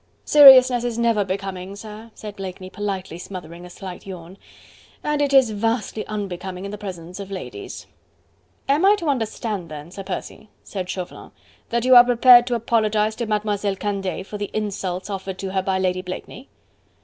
"Seriousness is never becoming, sir," said Blakeney, politely smothering a slight yawn, "and it is vastly unbecoming in the presence of ladies." "Am I to understand then, Sir Percy," said Chauvelin, "that you are prepared to apologize to Mademoiselle Candeille for this insult offered to her by Lady Blakeney?"